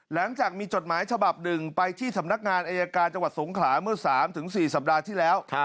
หลังจากมีจดหมายฉบับหนึ่งไปที่สำนักงานอายการจังหวัดสงขลาเมื่อ๓๔สัปดาห์ที่แล้ว